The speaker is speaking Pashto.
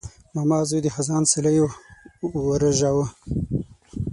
ماما زوی د خزان سیلیو ورژاوه.